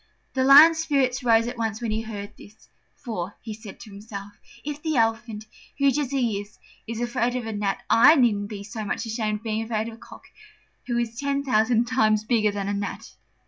The Lion's spirits rose at once when he heard this: "For," he said to himself, "if the Elephant, huge as he is, is afraid of a gnat, I needn't be so much ashamed of being afraid of a cock, who is ten thousand times bigger than a gnat."